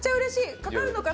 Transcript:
かかるのかな？